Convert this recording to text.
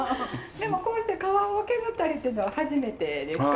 でもこうして皮を削ったりっていうのは初めてですか？